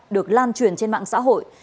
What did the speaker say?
được lan truyền trên mạng xã hội